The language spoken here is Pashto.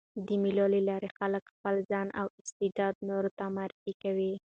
د مېلو له لاري خلک خپل ځان او استعداد نورو ته معرفي کوي.